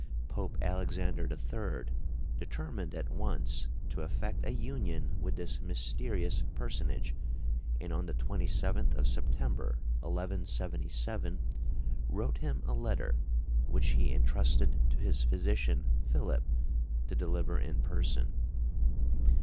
Pope Alexander III. determined at once to effect a union with this mysterious personage, and on the 27th of September, 1177, wrote him a letter, which he intrusted to his physician, Philip, to deliver in person.